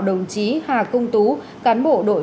đồng chí hà công tú cán bộ đội